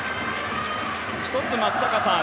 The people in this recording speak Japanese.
１つ松坂さん